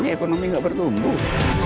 ekonomi gak bertumbuh